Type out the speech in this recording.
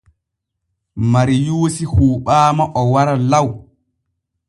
Mariyuusi huuɓaama o wara law.